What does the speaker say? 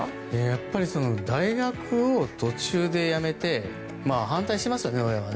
やっぱり大学を途中で辞めて反対しますよね、親は。